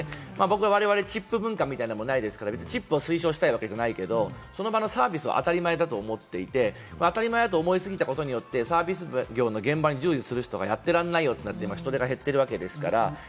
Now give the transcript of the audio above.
我々、チップ文化みたいなのもないですから、チップを推奨したいわけじゃないけれども、その場のサービスを当たり前だと思っていて、当たり前だと思いすぎたことで、サービス業の現場に従事する人がやってられないよって、人手も減ってるわけですから。